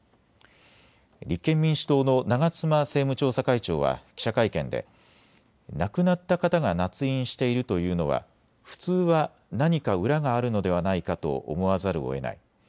立憲民主党の長妻政務調査会長は記者会見で亡くなった方がなつ印しているというのは普通は何か裏があるのではないかと思わざるをえない。